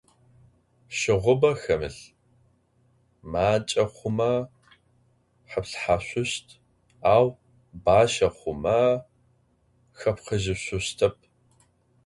Щыгъубэ хэмылъхь. Макӏэ хъумэ хъэплъхьэшъущт, ау бащэ хъумэ хэпхыжьышъущтэп.